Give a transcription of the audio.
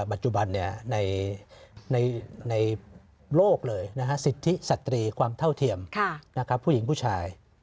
ปัจจุบันในโลกเลยสิทธิสตรีความเท่าเทียมผู้หญิงผู้ชาย